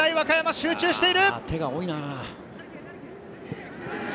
集中している！